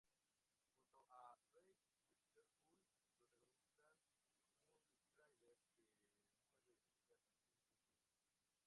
Junto a Reese Witherspoon, protagonizan un thriller que mueve fibras a distintos niveles.